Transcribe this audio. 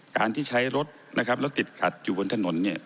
การที่ใช้รถนะครับแล้วติดขัดอยู่บนถนนเนี่ย